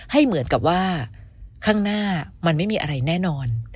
ให้เหมือนกับว่าข้างหน้ามันไม่มีอะไรแน่นอน